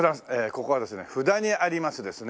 ここは布田にありますですね